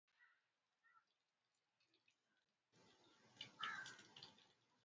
Mabao zaidi ya mia mbili kwa klabu na nchi